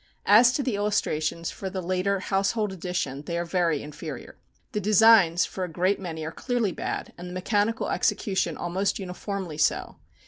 As to the illustrations for the later Household Edition, they are very inferior. The designs for a great many are clearly bad, and the mechanical execution almost uniformly so.